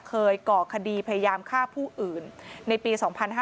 ก่อคดีพยายามฆ่าผู้อื่นในปี๒๕๕๙